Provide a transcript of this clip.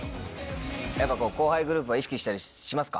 やっぱこう後輩グループは意識したりしますか？